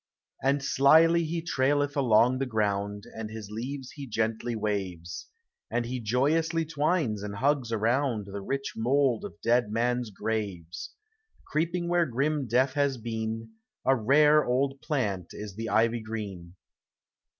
And slyly he trailed) along the ground, And his leaves he gentU waves, And he joyously twines and hugs around The rich mould of dead men's graves. 264 POEMS OF XATURE. Creeping where grim death has been, A rare old plant is the Ivy green.